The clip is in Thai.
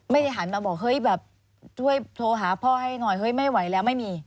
หันมาบอกเฮ้ยแบบช่วยโทรหาพ่อให้หน่อยเฮ้ยไม่ไหวแล้วไม่มี